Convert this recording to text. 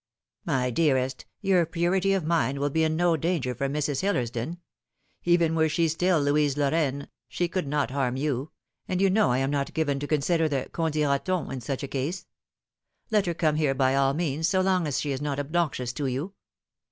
" My dearest, your purity of mind will be in no danger from Mrs. Hillersdon. Even were she still Louise Lorraine, she could not barm you and you know I am not given to consider the qu'on dira ton in such a case. Let her come here by all means, so long as she is not obnoxious to you."